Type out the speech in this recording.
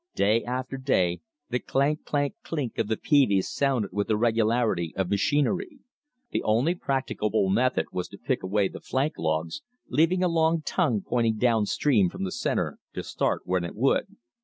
Day after day the CLANK, CLANK, CLINK of the peaveys sounded with the regularity of machinery. The only practicable method was to pick away the flank logs, leaving a long tongue pointing down stream from the center to start when it would.